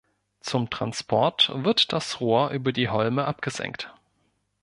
Zum Transport wird das Rohr über die Holme abgesenkt.